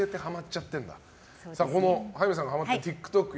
この早見さんがハマっているＴｉｋＴｏｋ